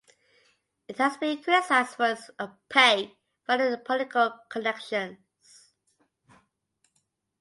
It has been criticized for its opaque funding and political connections.